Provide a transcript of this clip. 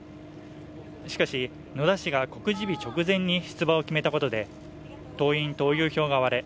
しかし野田氏が告示日直前に出馬を決めたことで党員・党友票が割れ